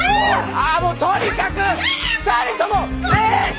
あもうとにかく２人とも冷静！